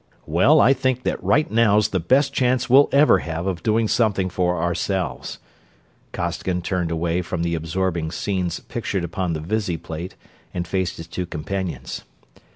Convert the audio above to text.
"Well, I think that right now's the best chance we'll ever have of doing something for ourselves." Costigan turned away from the absorbing scenes pictured upon the visiplate and faced his two companions.